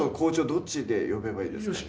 どっちで呼べばいいですか？